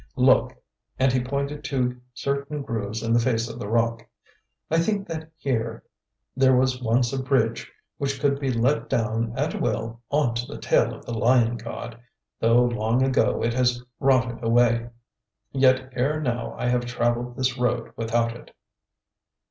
Look," and he pointed to certain grooves in the face of the rock, "I think that here there was once a bridge which could be let down at will on to the tail of the lion god, though long ago it has rotted away. Yet ere now I have travelled this road without it."